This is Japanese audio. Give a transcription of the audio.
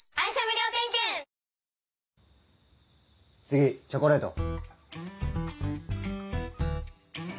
次チョコレート。